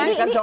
ini kan soal